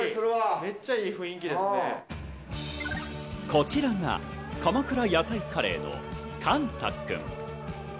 こちらが鎌倉野菜カレーのかん太くん。